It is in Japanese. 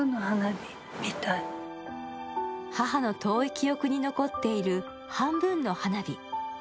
母の遠い記憶に残っている半分の花火。